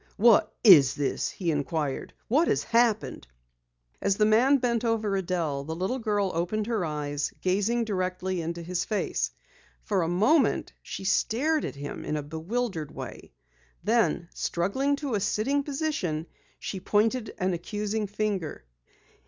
"What is this?" he inquired. "What has happened?" As the man bent over Adelle, the little girl opened her eyes, gazing directly into his face. For a moment she stared at him in a bewildered way. Then, struggling to a sitting position, she pointed an accusing finger.